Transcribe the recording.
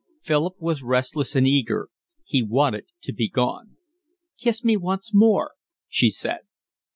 Philip was restless and eager. He wanted to be gone. "Kiss me once more," she said.